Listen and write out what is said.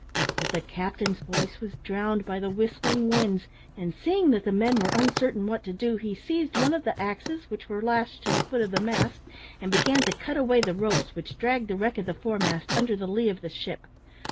But the captain's voice was drowned by the whistling winds, and, seeing that the men were uncertain what to do, he seized one of the axes which were lashed to the foot of the mast, and began to cut away the ropes which dragged the wreck of the foremast under the lee of the ship.